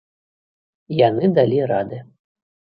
І яны далі рады.